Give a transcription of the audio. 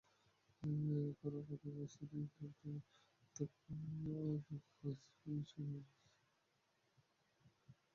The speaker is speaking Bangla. ঘরোয়া প্রথম-শ্রেণীর দক্ষিণ আফ্রিকান ক্রিকেটে ট্রান্সভাল, ইস্টার্ন প্রভিন্সের প্রতিনিধিত্ব করেছেন তিনি।